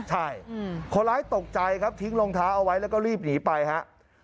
ใช่คนร้ายตกใจครับทิ้งรองเท้าเอาไว้แล้วก็รีบหนีไปฮะ